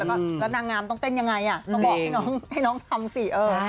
แล้วนางงามต้องเต้นยังไงต้องบอกให้น้องทำสิ